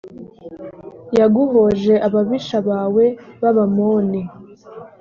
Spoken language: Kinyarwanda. yaguhoje ababisha bawe b abamoni